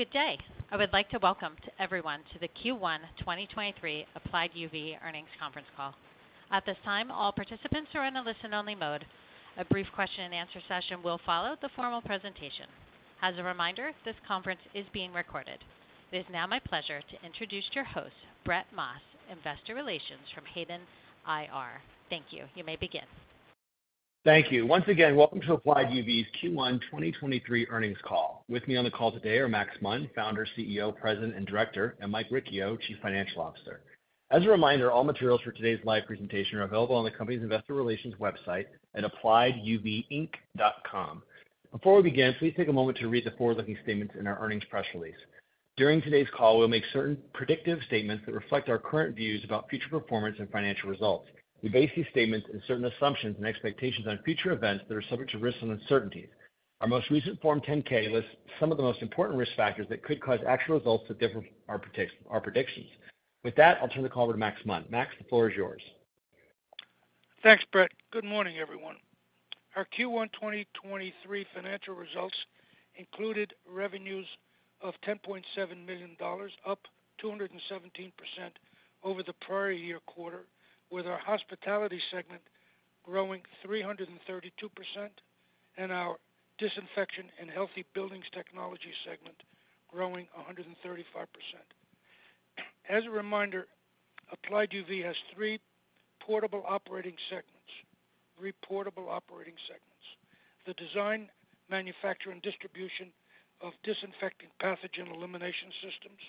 Good day. I would like to welcome everyone to the Q1 2023 Applied UV earnings conference call. At this time, all participants are in a listen-only mode. A brief question and answer session will follow the formal presentation. As a reminder, this conference is being recorded. It is now my pleasure to introduce your host, Brett Maas, investor relations from Hayden IR. Thank you. You may begin. Thank you. Once again, welcome to Applied UV's Q1 2023 earnings call. With me on the call today are Max Munn, Founder, CEO, President, and Director, and Mike Riccio, Chief Financial Officer. As a reminder, all materials for today's live presentation are available on the company's investor relations website at applieduvinc.com. Before we begin, please take a moment to read the forward-looking statements in our earnings press release. During today's call, we'll make certain predictive statements that reflect our current views about future performance and financial results. We base these statements in certain assumptions and expectations on future events that are subject to risks and uncertainties. Our most recent Form 10-K lists some of the most important risk factors that could cause actual results to differ from our predictions. With that, I'll turn the call over to Max Munn. Max, the floor is yours. Thanks, Brett. Good morning, everyone. Our Q1 2023 financial results included revenues of $10.7 million, up 217% over the prior year quarter, with our hospitality segment growing 332% and our disinfection and healthy buildings technology segment growing 135%. As a reminder, Applied UV has three portable operating segments. The design, manufacture, and distribution of disinfecting pathogen elimination systems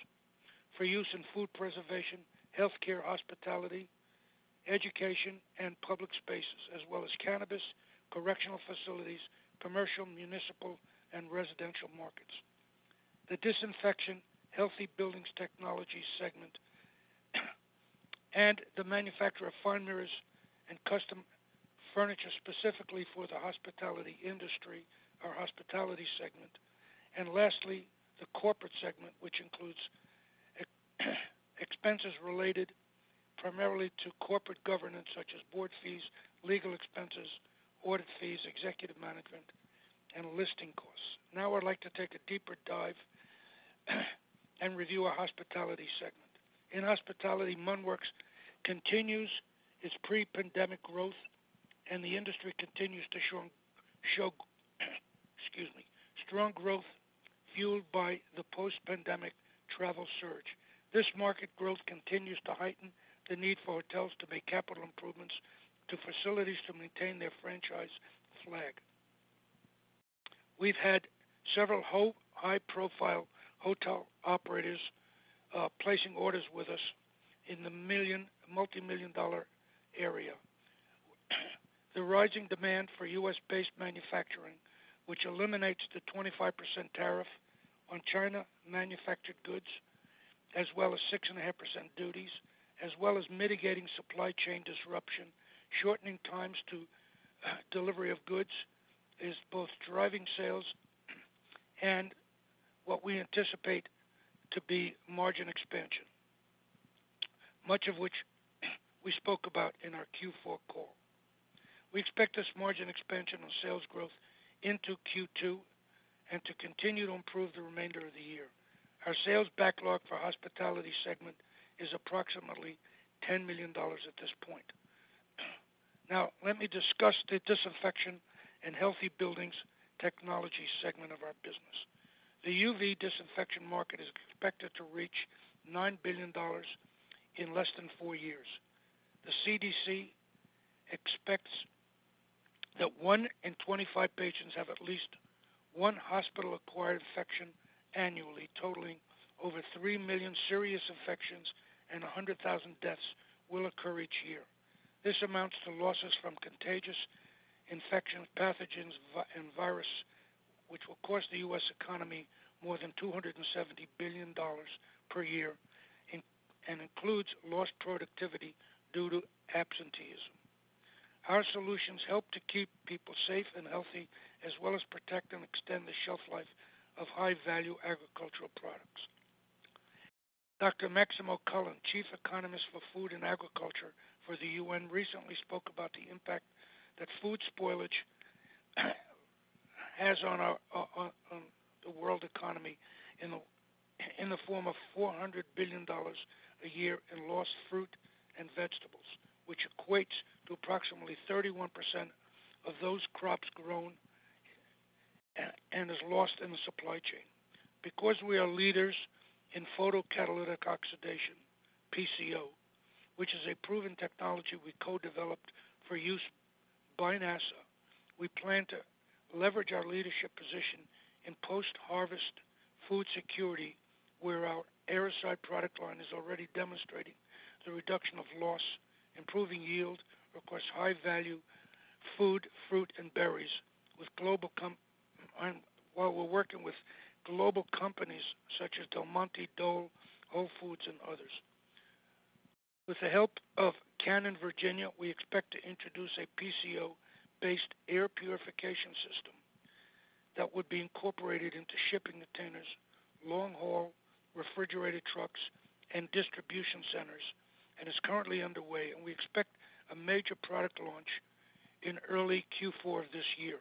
for use in food preservation, healthcare, hospitality, education, and public spaces, as well as cannabis, correctional facilities, commercial, municipal, and residential markets. The Disinfection Healthy Buildings Technology Segment, and the manufacture of fine mirrors and custom furniture specifically for the hospitality industry, our hospitality segment. Lastly, the corporate segment, which includes expenses related primarily to corporate governance, such as board fees, legal expenses, audit fees, executive management, and listing costs. Now I'd like to take a deeper dive and review our hospitality segment. In hospitality, MunnWorks continues its pre-pandemic growth, and the industry continues to show, excuse me, strong growth fueled by the post-pandemic travel surge. This market growth continues to heighten the need for hotels to make capital improvements to facilities to maintain their franchise flag. We've had several high-profile hotel operators placing orders with us in the multimillion-dollar area. The rising demand for US-based manufacturing, which eliminates the 25% tariff on China manufactured goods, as well as 6.5% duties, as well as mitigating supply chain disruption, shortening times to delivery of goods, is both driving sales and what we anticipate to be margin expansion, much of which we spoke about in our Q4 call. We expect this margin expansion on sales growth into Q2 and to continue to improve the remainder of the year. Our sales backlog for hospitality segment is approximately $10 million at this point. Let me discuss the disinfection and healthy buildings technology segment of our business. The UV disinfection market is expected to reach $9 billion in less than four years. The CDC expects that one in 25 patients have at least one hospital-acquired infection annually, totaling over three million serious infections and 100,000 deaths will occur each year. This amounts to losses from contagious infection, pathogens, and virus, which will cost the US economy more than $270 billion per year and includes lost productivity due to absenteeism. Our solutions help to keep people safe and healthy, as well as protect and extend the shelf life of high-value agricultural products. Dr. Máximo Torero Chief Economist for Food and Agriculture for the UN, recently spoke about the impact that food spoilage has on our on the world economy in the form of $400 billion a year in lost fruit and vegetables, which equates to approximately 31% of those crops grown and is lost in the supply chain. Because we are leaders in photocatalytic oxidation, PCO, which is a proven technology we co-developed for use by NASA, we plan to leverage our leadership position in post-harvest food security, where our Airocide product line is already demonstrating the reduction of loss, improving yield, requires high-value food, fruit, and berries while we're working with global companies such as Del Monte, Dole, Whole Foods, and others. With the help of Canon Virginia, we expect to introduce a PCO-based air purification system that would be incorporated into shipping containers, long-haul refrigerated trucks, and distribution centers, and is currently underway. We expect a major product launch in early Q4 of this year.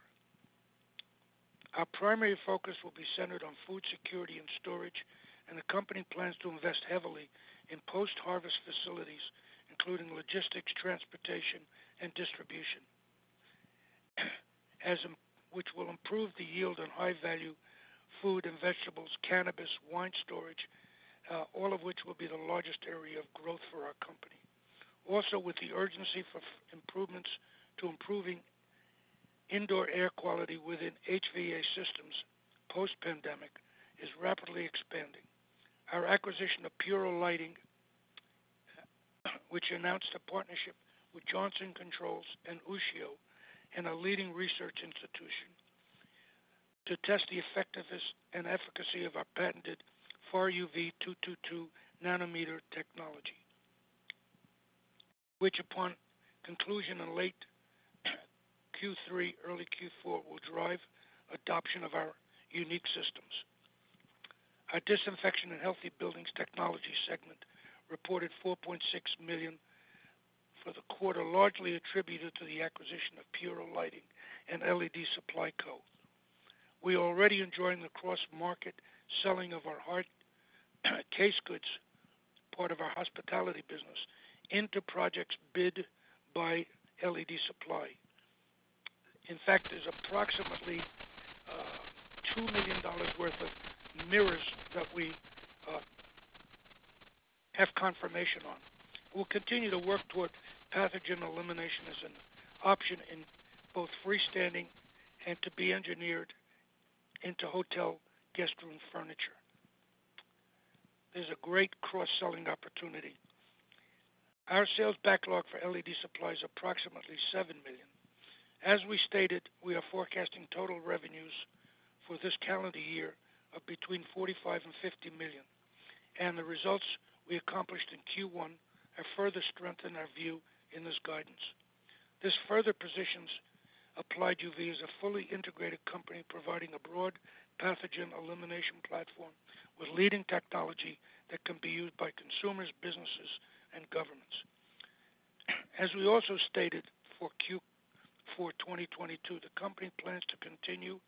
Our primary focus will be centered on food security and storage, and the company plans to invest heavily in post-harvest facilities, including logistics, transportation, and distribution. Which will improve the yield and high value food and vegetables, cannabis, wine storage, all of which will be the largest area of growth for our company. With the urgency for improvements to improving indoor air quality within HVAC systems, post-pandemic is rapidly expanding. Our acquisition of Puro Lighting, which announced a partnership with Johnson Controls and Ushio and a leading research institution to test the effectiveness and efficacy of our patented far-UVC 222 nanometer technology. Upon conclusion in late Q3, early Q4, will drive adoption of our unique systems. Our Disinfection and Healthy Buildings technology segment reported $4.6 million for the quarter, largely attributed to the acquisition of Puro Lighting and LED Supply Co. We are already enjoying the cross-market selling of our hard case goods, part of our hospitality business, into projects bid by LED Supply. In fact, there's approximately $2 million worth of mirrors that we have confirmation on. We'll continue to work toward pathogen elimination as an option in both freestanding and to be engineered into hotel guest room furniture. There's a great cross-selling opportunity. Our sales backlog for LED Supply is approximately $7 million. As we stated, we are forecasting total revenues for this calendar year of between $45 million and $50 million, and the results we accomplished in Q1 have further strengthened our view in this guidance. This further positions Applied UV as a fully integrated company, providing a broad pathogen elimination platform with leading technology that can be used by consumers, businesses, and governments. As we also stated for Q4 2022, the company plans to continue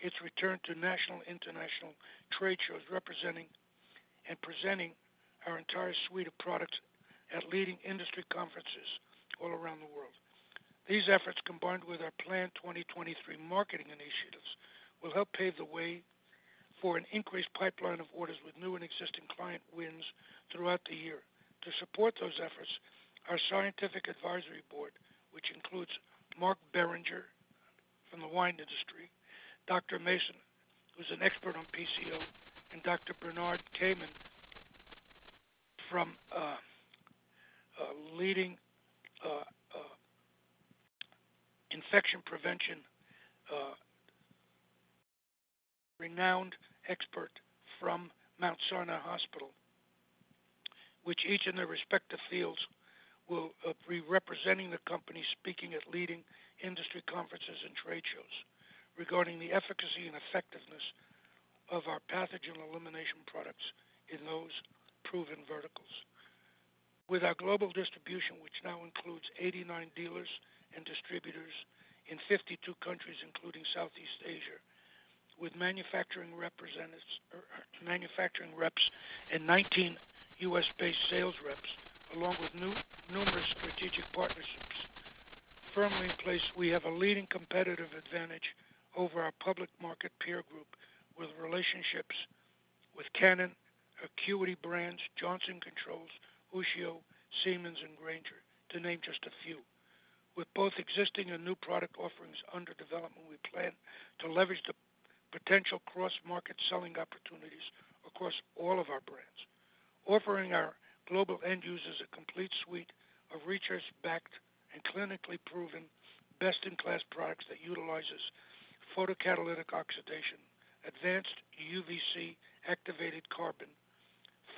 its return to national, international trade shows representing and presenting our entire suite of products at leading industry conferences all around the world. These efforts, combined with our planned 2023 marketing initiatives, will help pave the way for an increased pipeline of orders with new and existing client wins throughout the year. To support those efforts, our scientific advisory board, which includes Mark Beringer from the wine industry, Dr. Mason, who's an expert on PCO, and Dr. Bernard Camins from a leading infection prevention renowned expert from Mount Sinai Hospital, which each in their respective fields will be representing the company, speaking at leading industry conferences and trade shows regarding the efficacy and effectiveness of our pathogen elimination products in those proven verticals. With our global distribution, which now includes 89 dealers and distributors in 52 countries, including Southeast Asia, with manufacturing representatives or manufacturing reps and 19 U.S.-based sales reps, along with new, numerous strategic partnerships firmly in place, we have a leading competitive advantage over our public market peer group with relationships with Canon, Acuity Brands, Johnson Controls, Ushio, Siemens, and Grainger, to name just a few. With both existing and new product offerings under development, we plan to leverage the potential cross-market selling opportunities across all of our brands, offering our global end users a complete suite of research-backed and clinically proven best-in-class products that utilizes photocatalytic oxidation, advanced UV-C activated carbon,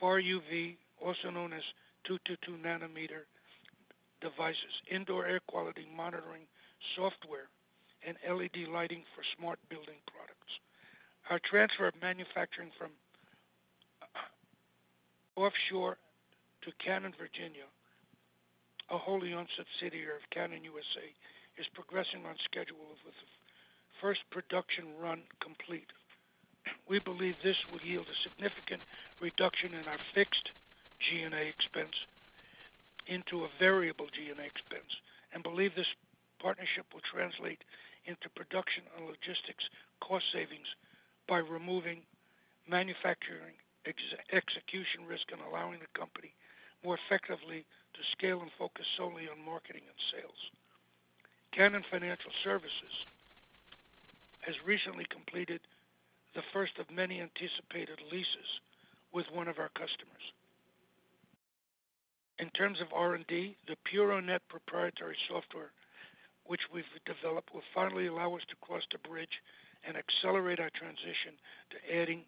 far-UVC, also known as 222 nanometer devices, indoor air quality monitoring software, and LED lighting for smart building products. Our transfer of manufacturing from offshore to Canon U.S.A., a wholly-owned subsidiary of Canon U.S.A., is progressing on schedule with the first production run complete. We believe this will yield a significant reduction in our fixed G&A expense into a variable G&A expense and believe this partnership will translate into production and logistics cost savings by removing manufacturing execution risk and allowing the company more effectively to scale and focus solely on marketing and sales. Canon Financial Services has recently completed the first of many anticipated leases with one of our customers. In terms of R&D, the PURONet proprietary software which we've developed will finally allow us to cross the bridge and accelerate our transition to adding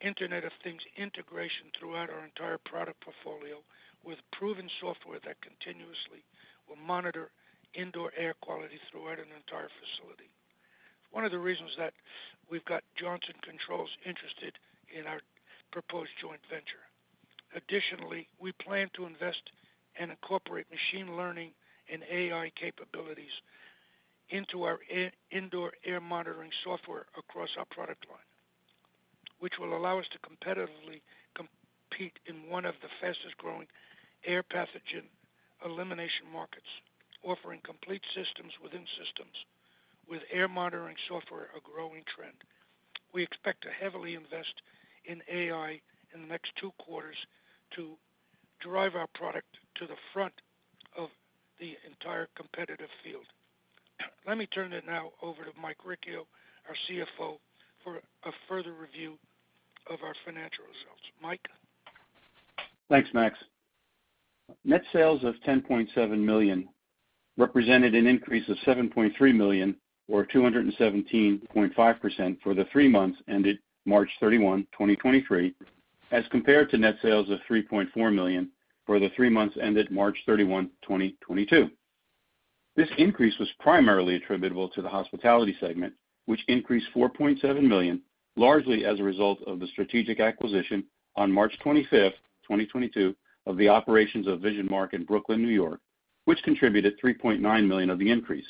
Internet of Things integration throughout our entire product portfolio with proven software that continuously will monitor indoor air quality throughout an entire facility. One of the reasons that we've got Johnson Controls interested in our proposed joint venture. Additionally, we plan to invest and incorporate machine learning and AI capabilities into our indoor air monitoring software across our product line, which will allow us to competitively compete in one of the fastest-growing air pathogen elimination markets, offering complete systems within systems with air monitoring software, a growing trend. We expect to heavily invest in AI in the next two quarters to drive our product to the front of the entire competitive field. Let me turn it now over to Mike Riccio, our CFO, for a further review of our financial results. Mike? Thanks, Max. Net sales of $10.7 million represented an increase of $7.3 million or 217.5% for the three months ended March 31, 2023, as compared to net sales of $3.4 million for the three months ended March 31, 2022. This increase was primarily attributable to the hospitality segment, which increased $4.7 million, largely as a result of the strategic acquisition on March 25, 2022, of the operations of VisionMark in Brooklyn, New York, which contributed $3.9 million of the increase.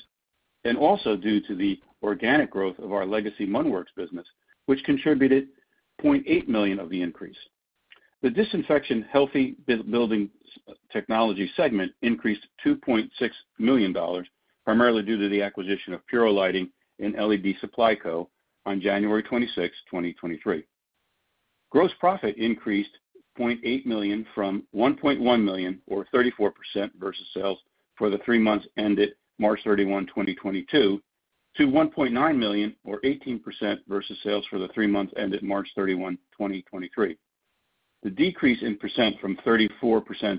Also due to the organic growth of our legacy MunnWorks business, which contributed $0.8 million of the increase. The Disinfection Healthy Building Technology segment increased $2.6 million, primarily due to the acquisition of Puro Lighting and LED Supply Co. on January 26, 2023. Gross profit increased $0.8 million from $1.1 million or 34% versus sales for the three months ended March 31, 2022, to $1.9 million or 18% versus sales for the three months ended March 31, 2023. The decrease in percent from 34%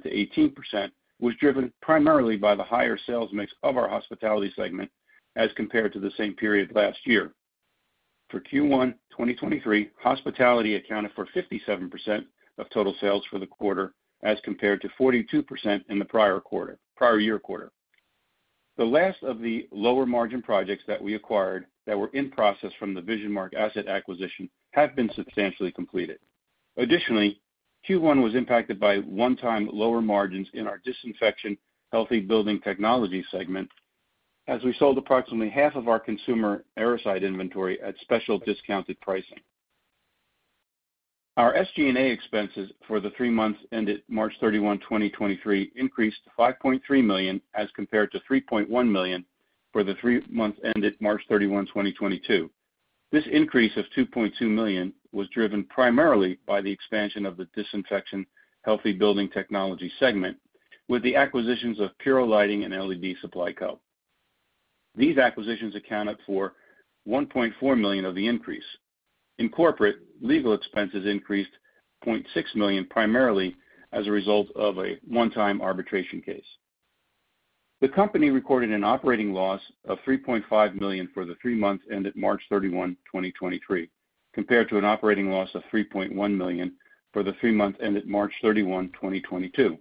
to 18% was driven primarily by the higher sales mix of our hospitality segment as compared to the same period last year. For Q1 2023, hospitality accounted for 57% of total sales for the quarter as compared to 42% in the prior year quarter. The last of the lower margin projects that we acquired that were in process from the VisionMark asset acquisition have been substantially completed. Additionally, Q1 was impacted by one-time lower margins in our Disinfection Healthy Building Technology segment as we sold approximately half of our consumer Airocide inventory at special discounted pricing. Our SG&A expenses for the 3 months ended March 31, 2023, increased to $5.3 million as compared to $3.1 million for the three months ended March 31, 2022. This increase of $2.2 million was driven primarily by the expansion of the Disinfection Healthy Building Technology segment with the acquisitions of Puro Lighting and LED Supply Co. These acquisitions accounted for $1.4 million of the increase. In corporate, legal expenses increased $0.6 million, primarily as a result of a one-time arbitration case. The company recorded an operating loss of $3.5 million for the three months ended March 31, 2023, compared to an operating loss of $3.1 million for the three months ended March 31, 2022.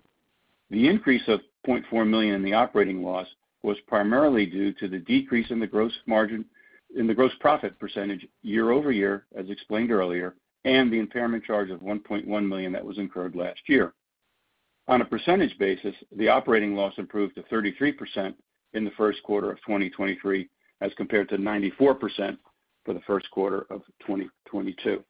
The increase of $0.4 million in the operating loss was primarily due to the decrease in the gross profit percentage year-over-year, as explained earlier, and the impairment charge of $1.1 million that was incurred last year. On a percentage basis, the operating loss improved to 33% in the first quarter of 2023, as compared to 94% for the first quarter of 2022.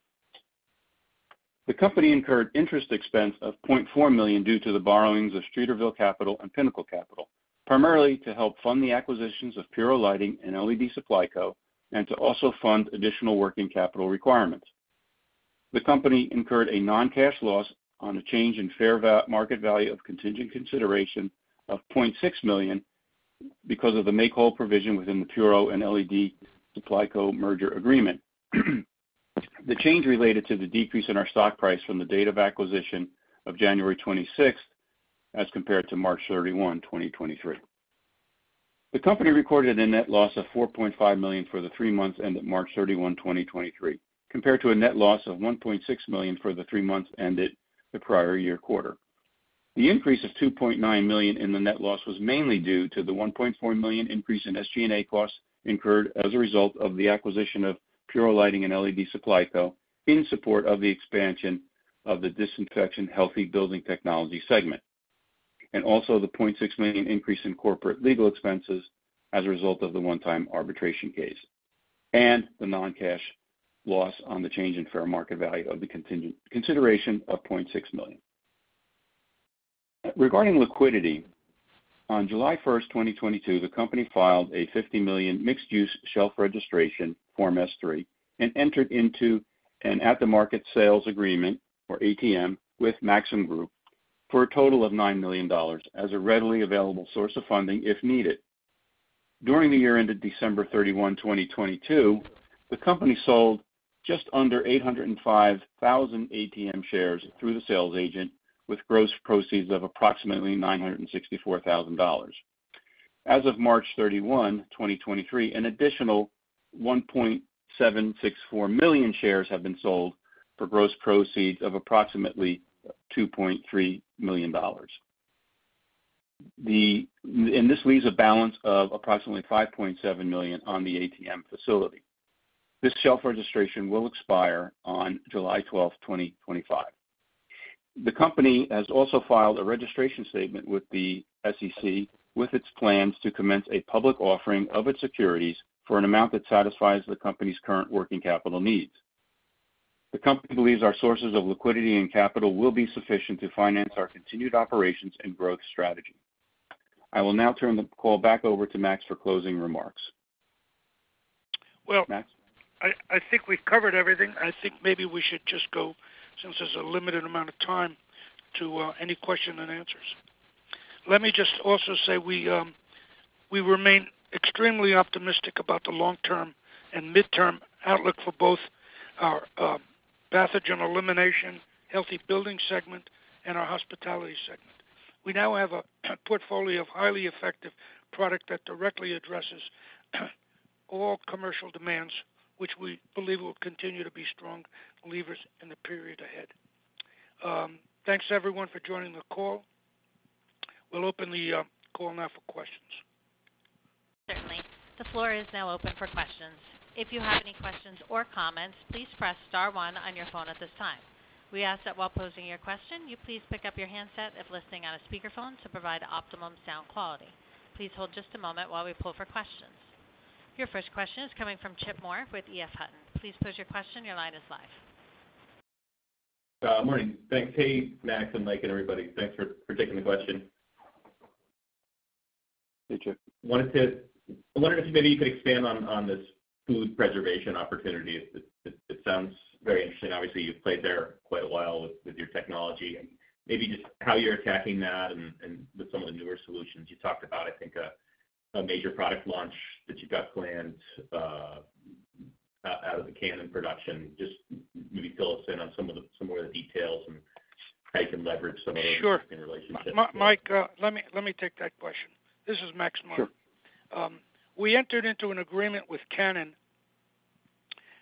The company incurred interest expense of $0.4 million due to the borrowings of Streeterville Capital and Pinnacle Capital, primarily to help fund the acquisitions of Puro Lighting and LED Supply Co. And to also fund additional working capital requirements. The company incurred a non-cash loss on a change in fair market value of contingent consideration of $0.6 million because of the make-whole provision within the Puro and LED Supply Co. merger agreement. The change related to the decrease in our stock price from the date of acquisition of January 26 as compared to March 31, 2023. The company recorded a net loss of $4.5 million for the three months ended March 31, 2023, compared to a net loss of $1.6 million for the threef months ended the prior year quarter. The increase of $2.9 million in the net loss was mainly due to the $1.4 million increase in SG&A costs incurred as a result of the acquisition of Puro Lighting and LED Supply Co. In support of the expansion of the Disinfection Healthy Building Technology segment. Also the $0.6 million increase in corporate legal expenses as a result of the one-time arbitration case, and the non-cash loss on the change in fair market value of the contingent consideration of $0.6 million. Regarding liquidity, on July 1, 2022, the company filed a $50 million mixed-use shelf registration, Form S-3, and entered into an at-the-market sales agreement or ATM with Maxim Group for a total of $9 million as a readily available source of funding if needed. During the year ended December 31, 2022, the company sold just under 805,000 ATM shares through the sales agent with gross proceeds of approximately $964,000. As of March 31, 2023, an additional 1.764 million shares have been sold for gross proceeds of approximately $2.3 million. This leaves a balance of approximately $5.7 million on the ATM facility. This shelf registration will expire on July 12, 2025. The company has also filed a registration statement with the SEC with its plans to commence a public offering of its securities for an amount that satisfies the company's current working capital needs. The company believes our sources of liquidity and capital will be sufficient to finance our continued operations and growth strategy. I will now turn the call back over to Max for closing remarks. Max. Well, I think we've covered everything. I think maybe we should just go, since there's a limited amount of time, to any question and answers. Let me just also say we remain extremely optimistic about the long-term and midterm outlook for both our pathogen elimination, healthy building segment, and our hospitality segment. We now have a portfolio of highly effective product that directly addresses all commercial demands, which we believe will continue to be strong levers in the period ahead. Thanks everyone for joining the call. We'll open the call now for questions. Certainly. The floor is now open for questions. If you have any questions or comments, please press star one on your phone at this time. We ask that while posing your question, you please pick up your handset if listening on a speakerphone to provide optimum sound quality. Please hold just a moment while we pull for questions. Your first question is coming from Tim Moore with EF Hutton. Please pose your question. Your line is live. Morning. Thanks. Hey, Max and Mike and everybody. Thanks for taking the question. Hey, Chip. I wondered if maybe you could expand on this food preservation opportunity. It sounds very interesting. Obviously, you've played there quite a while with your technology, and with some of the newer solutions you talked about, I think, a major product launch that you've got planned out of the Canon production. Just maybe fill us in on some of the more of the details and how you can leverage some of those. Sure. Existing relationships. Mike, let me take that question. This is Max Munn. Sure. We entered into an agreement with Canon.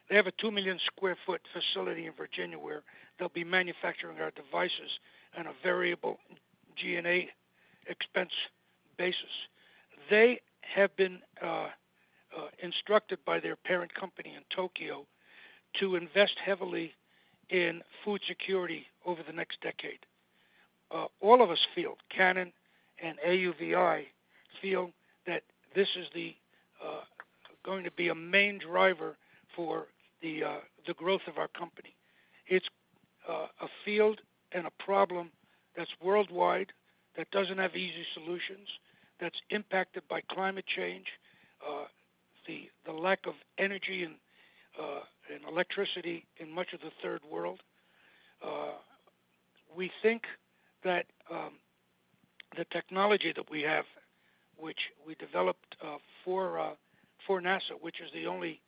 They have a two million sq ft facility in Virginia where they'll be manufacturing our devices on a variable G&A expense basis. They have been instructed by their parent company in Tokyo to invest heavily in food security over the next decade. All of us feel, Canon and AUVI feel that this is going to be a main driver for the growth of our company. It's a field and a problem that's worldwide, that doesn't have easy solutions, that's impacted by climate change, the lack of energy and electricity in much of the Third World. We think that the technology that we have, which we developed for NASA, which is the only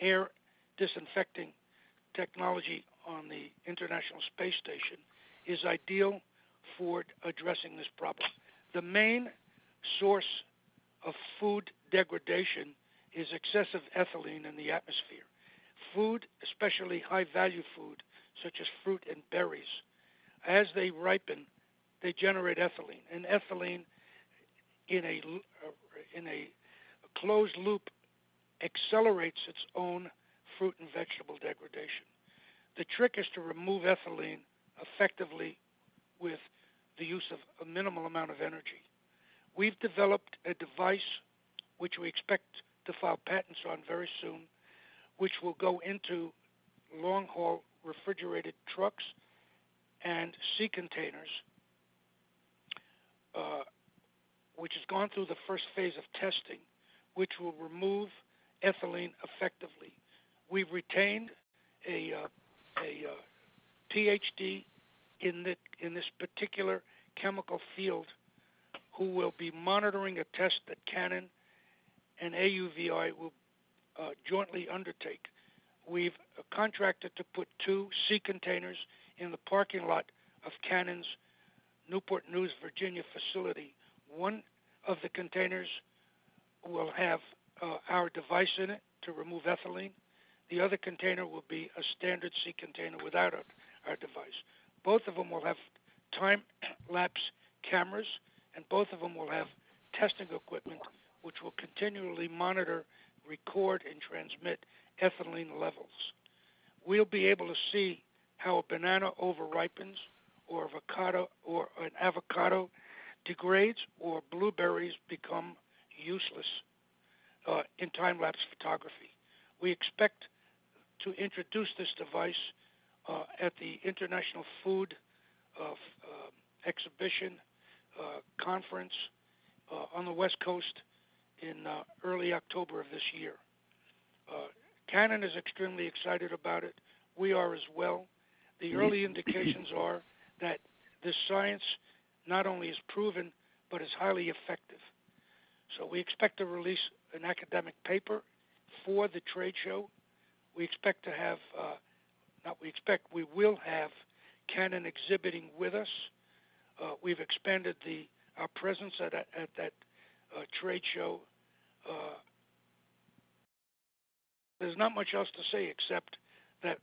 air disinfecting technology on the International Space Station, is ideal for addressing this problem. The main source of food degradation is excessive ethylene in the atmosphere. Food, especially high-value food, such as fruit and berries, as they ripen, they generate ethylene. Ethylene in a closed loop accelerates its own fruit and vegetable degradation. The trick is to remove ethylene effectively with the use of a minimal amount of energy. We've developed a device which we expect to file patents on very soon, which will go into long-haul refrigerated trucks and sea containers, which has gone through the first phase of testing, which will remove ethylene effectively. We've retained a PhD in this, in this particular chemical field who will be monitoring a test that Canon and AUVI will jointly undertake. We've contracted to put two sea containers in the parking lot of Canon's Newport News, Virginia facility. One of the containers will have our device in it to remove ethylene. The other container will be a standard sea container without our device. Both of them will have time lapse cameras, and both of them will have testing equipment which will continually monitor, record, and transmit ethylene levels. We'll be able to see how a banana overripens or an avocado degrades or blueberries become useless in time-lapse photography. We expect to introduce this device at the International Food of Exhibition Conference on the West Coast in early October of this year. Canon is extremely excited about it. We are as well. The early indications are that this science not only is proven, but is highly effective. We expect to release an academic paper for the trade show. We expect to have, we will have Canon exhibiting with us. We've expanded our presence at that trade show. There's not much else to say except that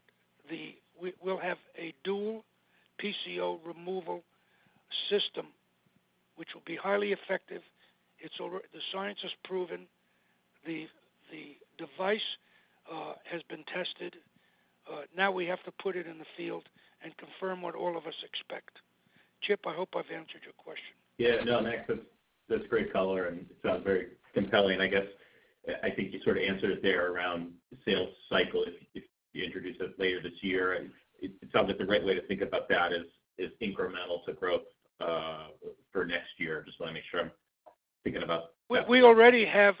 we'll have a dual PCO removal system which will be highly effective. The science has proven, the device has been tested. Now we have to put it in the field and confirm what all of us expect. Chip, I hope I've answered your question. Yeah. No, Max, that's great color, and it sounds very compelling. I guess, I think you sort of answered it there around the sales cycle if you introduce it later this year. It sounds like the right way to think about that is incremental to growth for next year. Just wanna make sure I'm thinking about that. We already have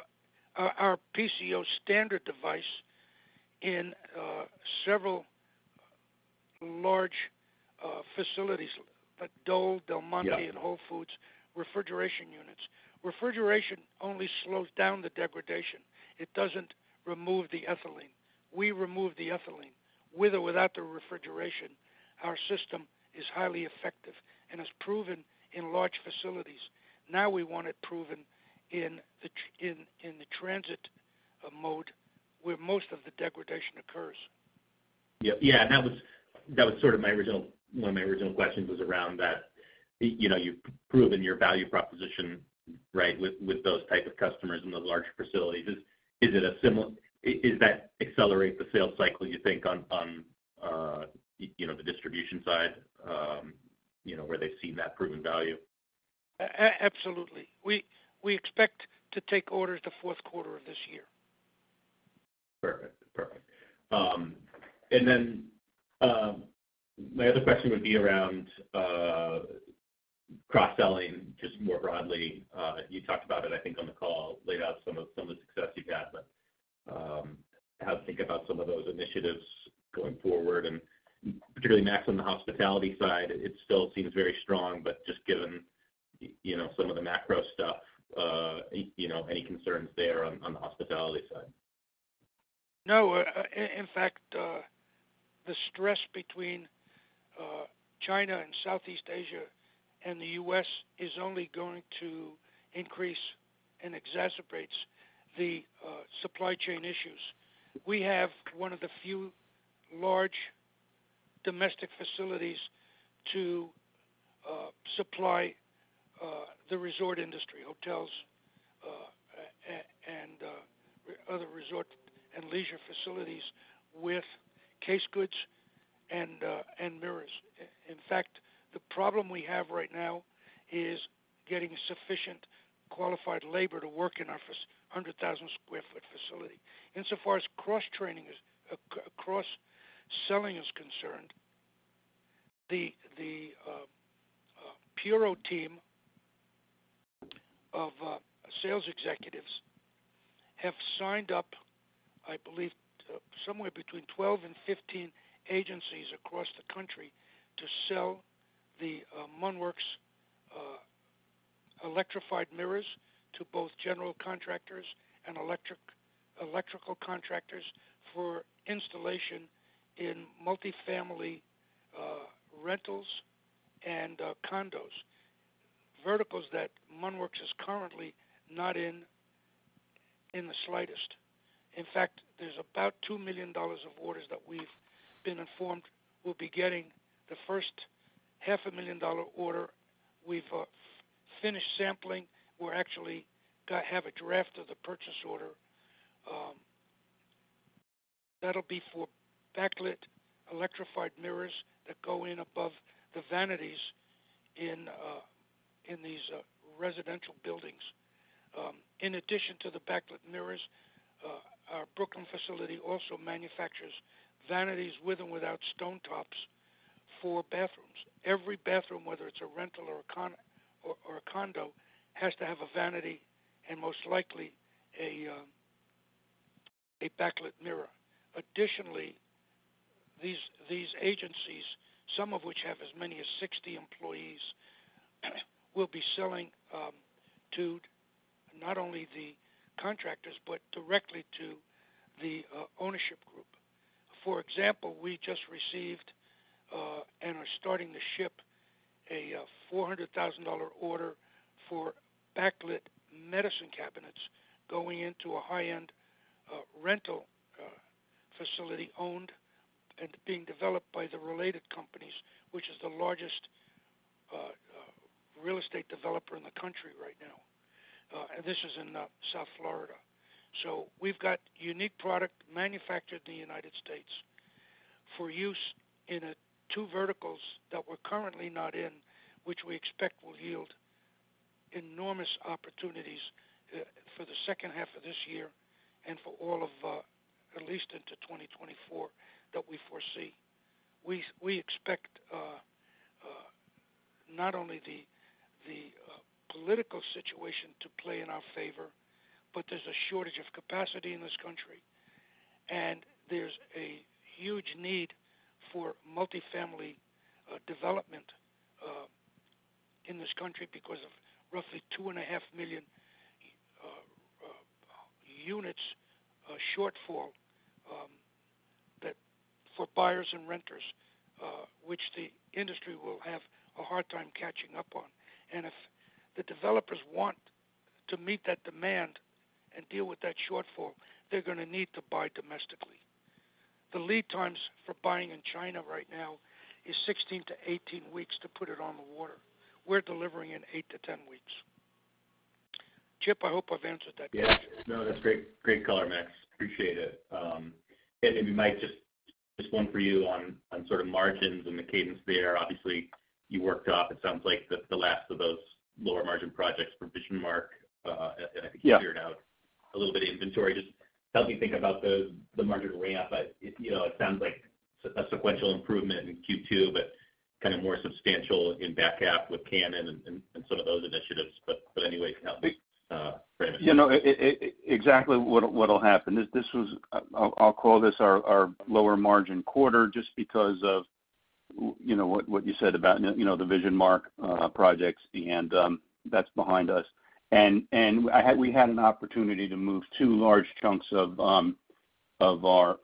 our PCO standard device in several large facilities, like Dole, Del Monte-. Yeah ...and Whole Foods refrigeration units. Refrigeration only slows down the degradation. It doesn't remove the ethylene. We remove the ethylene. With or without the refrigeration, our system is highly effective and is proven in large facilities. Now we want it proven in the transit mode where most of the degradation occurs. Yeah. Yeah. One of my original questions was around that. You know, you've proven your value proposition, right, with those type of customers in the larger facilities. Is that accelerate the sales cycle, you think, on you know, the distribution side, you know, where they've seen that proven value? Absolutely. We expect to take orders the fourth quarter of this year. Perfect. Perfect. Then my other question would be around cross-selling just more broadly. You talked about it, I think, on the call, laid out some of the success you've had. How to think about some of those initiatives going forward, and particularly, Max, on the hospitality side, it still seems very strong, but just given, you know, some of the macro stuff, you know, any concerns there on the hospitality side? No. In fact, the stress between China and Southeast Asia and the U.S. is only going to increase and exacerbates the supply chain issues. We have one of the few large domestic facilities to supply the resort industry, hotels, and other resort and leisure facilities with case goods and mirrors. In fact, the problem we have right now is getting sufficient qualified labor to work in our 100,000 square foot facility. Insofar as cross-training is cross-selling is concerned, the Puro team of sales executives have signed up, I believe, somewhere between 12 and 15 agencies across the country to sell the MunnWorks electrified mirrors to both general contractors and electrical contractors for installation in multifamily rentals and condos, verticals that MunnWorks is currently not in the slightest. In fact, there's about $2 million of orders that we've been informed we'll be getting. The first half a million dollar order, we've finished sampling. We're actually have a draft of the purchase order. That'll be for backlit electrified mirrors that go in above the vanities in these residential buildings. In addition to the backlit mirrors, our Brooklyn facility also manufactures vanities with and without stone tops for bathrooms. Every bathroom, whether it's a rental or a condo, has to have a vanity and most likely a backlit mirror. Additionally, these agencies, some of which have as many as 60 employees, will be selling to not only the contractors, but directly to the ownership group. For example, we just received and are starting to ship a $400,000 order for backlit medicine cabinets going into a high-end rental facility owned and being developed by the Related Companies, which is the largest real estate developer in the country right now. This is in South Florida. We've got unique product manufactured in the United States for use in two verticals that we're currently not in, which we expect will yield enormous opportunities for the second half of this year and for all of at least into 2024 that we foresee. We expect not only the political situation to play in our favor, but there's a shortage of capacity in this country, and there's a huge need for multifamily development in this country because of roughly 2.5 million units shortfall for buyers and renters, which the industry will have a hard time catching up on. If the developers want to meet that demand and deal with that shortfall, they're gonna need to buy domestically. The lead times for buying in China right now is 16-18 weeks to put it on the water. We're delivering in 8-10 weeks. Chip, I hope I've answered that question. Yeah. No, that's great color, Max Munn. Appreciate it. Maybe, Mike Riccio, just one for you on sort of margins and the cadence there. Obviously, you worked off, it sounds like the last of those lower margin projects for VisionMark, Yeah. I can figure it out a little bit of inventory. Just help me think about the margin ramp. You know, it sounds like a sequential improvement in Q2, but kind of more substantial in back half with Canon and sort of those initiatives. Anyway, it helps frame it. You know, exactly what'll happen. This was I'll call this our lower margin quarter just because of you know what you said about, you know, the VisionMark projects and that's behind us. We had an opportunity to move two large chunks of our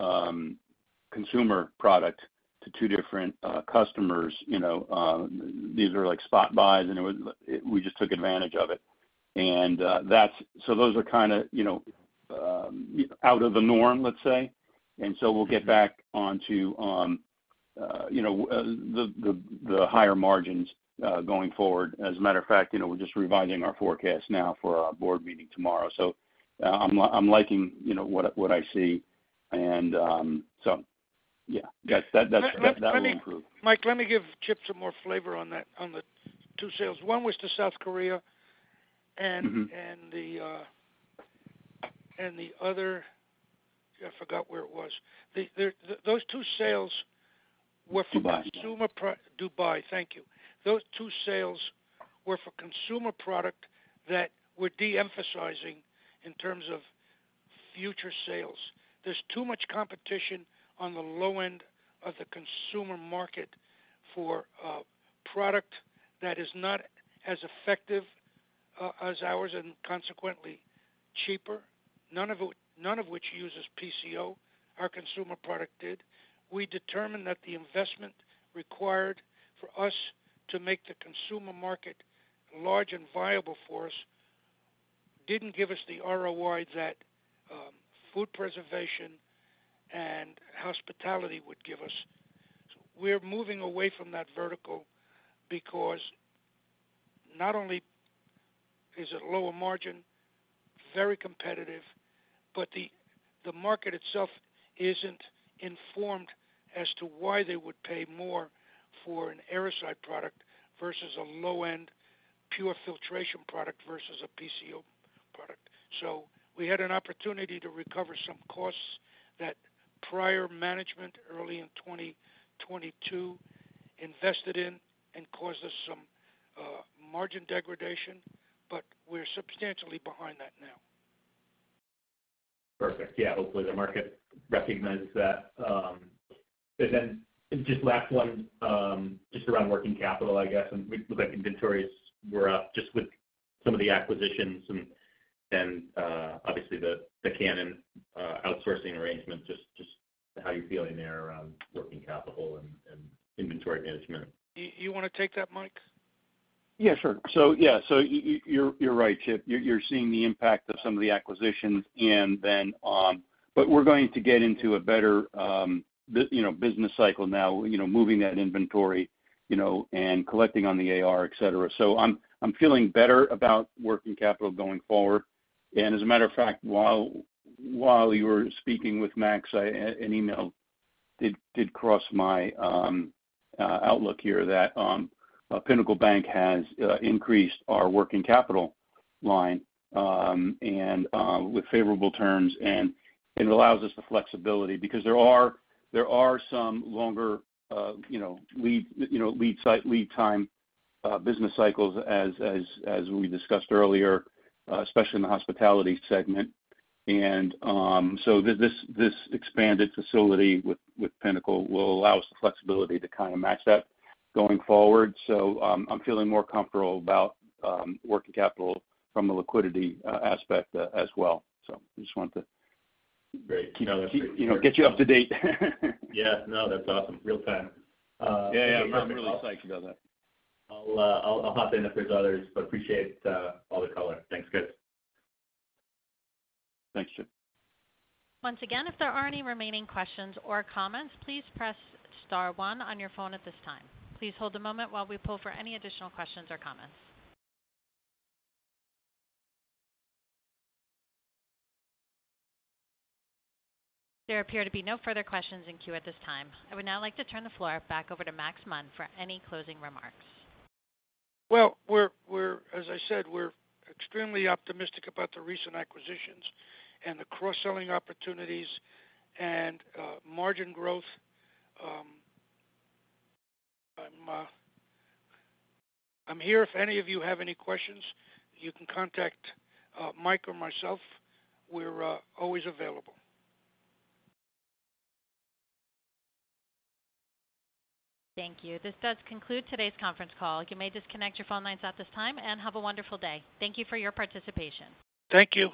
consumer product to two different customers. You know, these are like spot buys, we just took advantage of it. That's so those are kinda, you know, out of the norm, let's say. We'll get back onto, you know, the higher margins going forward. As a matter of fact, you know, we're just revising our forecast now for our board meeting tomorrow. I'm liking, you know, what I see and, so yeah, that's. Let me. -that will improve. Mike, let me give Chip some more flavor on that, on the two sales. One was to South Korea and- Mm-hmm. The other... I forgot where it was. Those two sales were. Dubai. Consumer Dubai. Thank you. Those two sales were for consumer product that we're de-emphasizing in terms of future sales. There's too much competition on the low end of the consumer market for a product that is not as effective as ours and consequently cheaper. None of which uses PCO, our consumer product did. We determined that the investment required for us to make the consumer market large and viable for us didn't give us the ROI that food preservation and hospitality would give us. We're moving away from that vertical because not only is it lower margin, very competitive, but the market itself isn't informed as to why they would pay more for an Airocide product versus a low-end pure filtration product versus a PCO product. We had an opportunity to recover some costs that prior management early in 2022 invested in and caused us some margin degradation, but we're substantially behind that now. Perfect. Yeah. Hopefully, the market recognizes that. Just last one, just around working capital, I guess. Like inventories were up just with some of the acquisitions and then, obviously the Canon, outsourcing arrangements. Just how you're feeling there around working capital and inventory management. You wanna take that, Mike? Sure. Yeah, so you're right, Chip. You're seeing the impact of some of the acquisitions, but we're going to get into a better, you know, business cycle now, you know, moving that inventory, you know, and collecting on the AR, etc. I'm feeling better about working capital going forward. As a matter of fact, while you were speaking with Max, an email did cross my Outlook here that Pinnacle Bank has increased our working capital line, and with favorable terms, and it allows us the flexibility because there are some longer, you know, lead, you know, lead site, lead time business cycles as we discussed earlier, especially in the hospitality segment. This expanded facility with Pinnacle will allow us the flexibility to kind of match that going forward. I'm feeling more comfortable about working capital from the liquidity aspect as well. Great. You know, get you up to date. Yes. No, that's awesome. Real time. Yeah. Yeah. I'm really psyched about that. I'll hop in if there's others. Appreciate all the color. Thanks. Good. Thanks, Chip. Once again, if there are any remaining questions or comments, please press star one on your phone at this time. Please hold a moment while we pull for any additional questions or comments. There appear to be no further questions in queue at this time. I would now like to turn the floor back over to Max Munn for any closing remarks. Well, as I said, we're extremely optimistic about the recent acquisitions and the cross-selling opportunities and margin growth. I'm here if any of you have any questions, you can contact Mike or myself. We're always available. Thank you. This does conclude today's conference call. You may disconnect your phone lines at this time. Have a wonderful day. Thank you for your participation. Thank you.